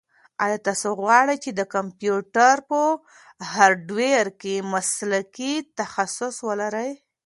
ایا تاسو غواړئ چې د کمپیوټر په هارډویر کې مسلکي تخصص ولرئ؟